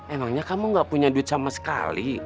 emangnya kamu gak punya duit sama sekali